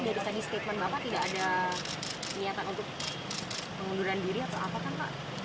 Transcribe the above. pengunduran diri atau apa kan pak